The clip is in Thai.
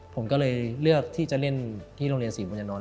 ผมก็เลยเลือกที่จะเล่นที่โรงเรียนศรีบุญญานอน